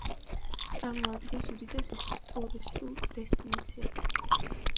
წარმოადგენს უდიდეს ტურისტულ დესტინაციას.